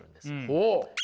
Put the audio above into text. ほう。